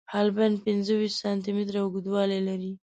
حالبین پنځه ویشت سانتي متره اوږدوالی لري.